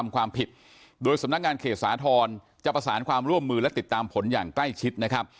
ความผิดโดยสำนักงานเขตสาธรณ์จะประสานความร่วมมือและติดตามผลอย่างใกล้ชิดนะครับ